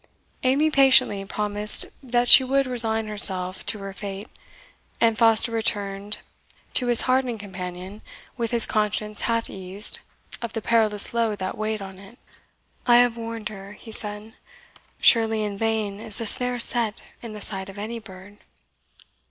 Amy patiently promised that she would resign herself to her fate, and Foster returned to his hardened companion with his conscience half eased of the perilous load that weighed on it. "I have warned her," he said; "surely in vain is the snare set in the sight of any bird!"